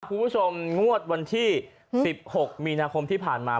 คุณผู้ชมงวดวันที่๑๖มีนาคมที่ผ่านมา